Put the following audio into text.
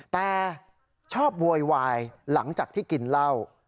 แต่ชอบโวยวายหลังจากที่กินเหล้า